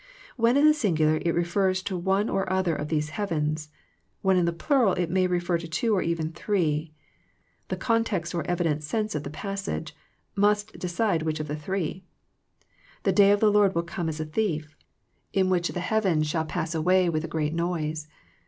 When in the singular it refers to one or other of these heavens ; when in the plural it may refer to two or even three. The context or evident sense of the passage must de cide which of three. " The day of the Lord will come as a thief ; in the which the heavens shall 72 THE PEACTICE OF PEAYEE pass away with a great noise."